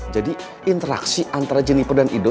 jadi interaksi antara jeniper dan ido